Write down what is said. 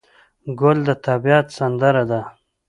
ګل د طبیعت سندره ده.